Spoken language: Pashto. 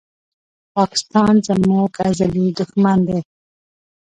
پاکستان زموږ ازلي دښمن دی